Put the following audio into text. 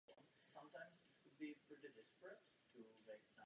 Výprava se navrací zpět do Londýna.